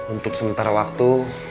untuk sementara waktu